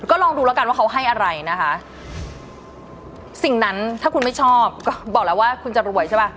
ลองดูแล้วกันว่าเขาให้อะไรนะคะสิ่งนั้นถ้าคุณไม่ชอบก็บอกแล้วว่าคุณจะรวยใช่ป่ะ